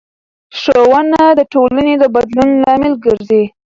ښوونه د ټولنې د بدلون لامل ګرځي